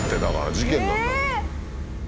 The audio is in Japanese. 事件なんだから。